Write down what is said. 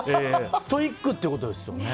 ストイックってことですよね。